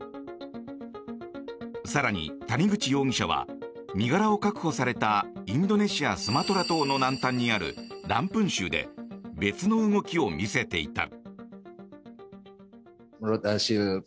更に、谷口容疑者は身柄を確保されたインドネシア・スマトラ島の南端にあるランプン州で別の動きを見せていた。